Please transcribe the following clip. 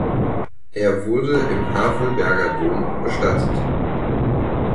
Er wurde im Havelberger Dom bestattet.